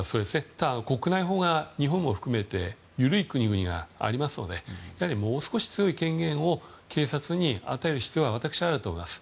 ただ、国内法は日本も含めて緩い国々がありますのでもう少し強い権限を警察に与える必要は私はあると思います。